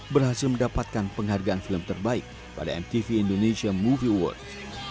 berhasil mendapatkan penghargaan film terbaik pada mtv indonesia movie awards